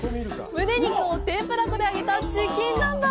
むね肉を天ぷら粉で揚げたチキン南蛮。